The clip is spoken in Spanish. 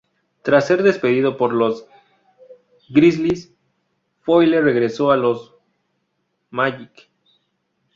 Tras ser despedido por los Grizzlies, Foyle regresó a los Magic.